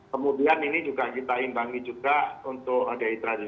kemudian ini juga kita imbangi juga untuk dehidrasi